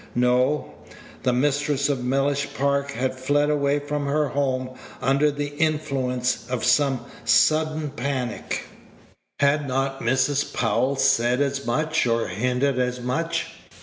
No; the mistress of Mellish Park had fled away from her home under the influence of some sudden panic. Had not Mrs. Powell said as much, or hinted as much?